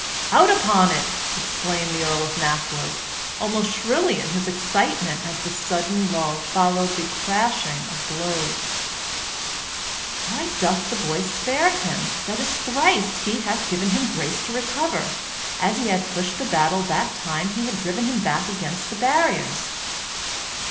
"Out upon it!" exclaimed the Earl of Mackworth, almost shrilly in his excitement, as the sudden lull followed the crashing of blows. "Why doth the boy spare him? That is thrice he hath given him grace to recover; an he had pushed the battle that time he had driven him back against the barriers."